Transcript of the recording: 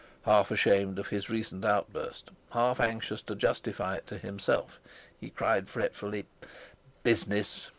Half ashamed of his recent outburst, half anxious to justify it to himself, he cried fretfully: "Business!